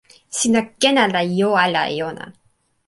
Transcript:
sina ken ala jo ala e ona.